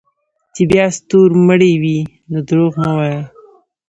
چې بیا ستورمړے وې نو دروغ مه وایه